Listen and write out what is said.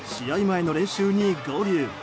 前の練習に合流。